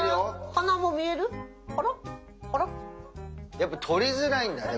やっぱ撮りづらいんだね。